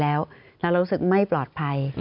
แล้วเรารู้สึกไม่ปลอดภัย